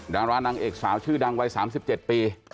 ดารานางเอกสาวชื่อดังวัย๓๗ปี